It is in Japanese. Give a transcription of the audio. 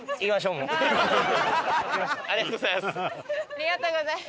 ありがとうございます。